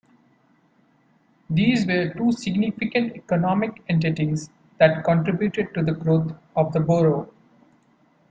These were two significant economic entities that contributed to the growth of the Borough.